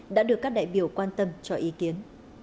đã được các đại biểu quan tâm cho ý kiến